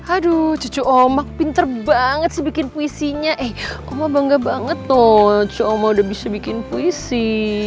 aduh cucu oma pinter banget sih bikin puisinya eh oma bangga banget loh cucu oma udah bisa bikin puisi